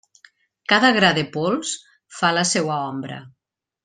Cada gra de pols fa la seua ombra.